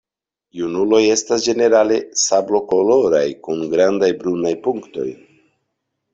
Junuloj estas ĝenerale sablokoloraj kun grandaj brunaj punktoj.